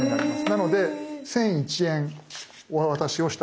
なので１，００１円お渡しをしたいと思います。